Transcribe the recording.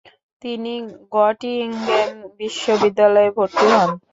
তিনি গটিঙেন বিশ্ববিদ্যালয়ে ভর্তি হন।